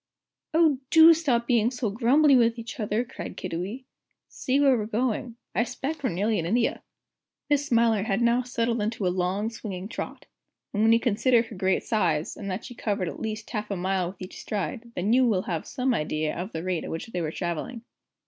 "Oh, do stop being so grumbly with each other," cried Kiddiwee. "See where we're going. I 'spect we're nearly at India." Miss Smiler had now settled into a long, swinging trot. And when you consider her great size, and that she covered at least half a mile at each stride, you will then have some idea of the rate at which they were travelling.